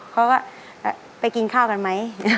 เขาก็ไปกินข้าวกันไหม